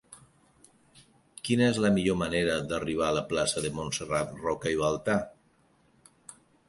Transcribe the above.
Quina és la millor manera d'arribar a la plaça de Montserrat Roca i Baltà?